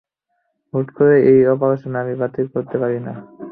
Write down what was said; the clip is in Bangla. হুট করে এই অপারেশন আমি বাতিল করতে পারি না।